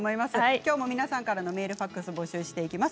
きょうも皆さんからのメールファックスを募集します。